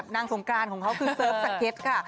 นางสนกรานคือเซิฟสะเก็ดค่ะ